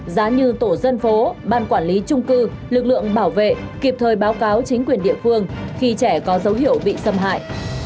giá như tổ dân phố ban quản lý trung cư lực lượng bảo vệ kịp thời báo cáo chính quyền địa phương khi trẻ có dấu hiệu bị xâm hại